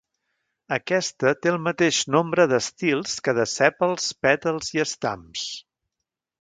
Aquesta té el mateix nombre d'estils que de sèpals, pètals i estams.